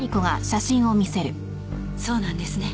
そうなんですね。